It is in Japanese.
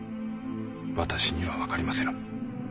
私には分かりませぬ。